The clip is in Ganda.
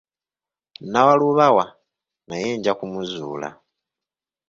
Nnawalubawa naye nja kumuzuula.